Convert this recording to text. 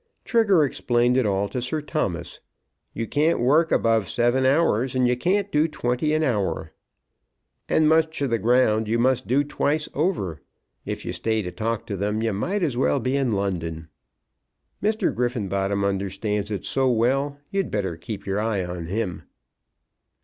Trigger explained it all to Sir Thomas. "You can't work above seven hours, and you can't do twenty an hour. And much of the ground you must do twice over. If you stay to talk to them you might as well be in London. Mr. Griffenbottom understands it so well, you'd better keep your eye on him."